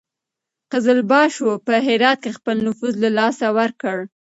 قزلباشو په هرات کې خپل نفوذ له لاسه ورکړ.